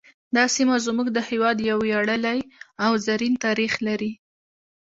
دا سیمه زموږ د هیواد یو ویاړلی او زرین تاریخ لري